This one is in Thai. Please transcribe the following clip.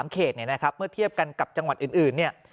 ๓๓เขตเมื่อเทียบกันกับจังหวัดอื่น